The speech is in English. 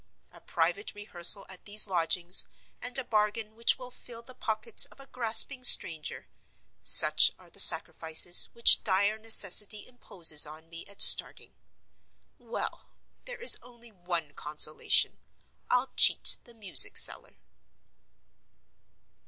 A private rehearsal at these lodgings, and a bargain which will fill the pockets of a grasping stranger—such are the sacrifices which dire necessity imposes on me at starting. Well! there is only one consolation: I'll cheat the music seller.